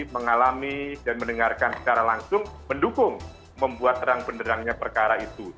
mengalami dan mendengarkan secara langsung mendukung membuat terang penderangnya perkara itu